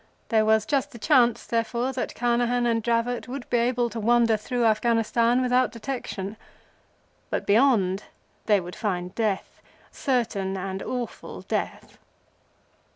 There was just the chance, therefore, that Carnehan and Dravot would be able to wander through Afghanistan without detection. But, beyond, they would find death, certain and awful death.